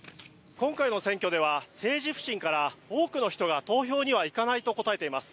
今回の選挙では政治不信から多くの人が投票には行かないと答えています。